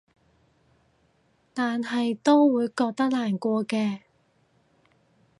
但都係會覺得難過嘅